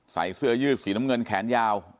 ใส่เสื้อยืดสีน้ำเงินแขนยาว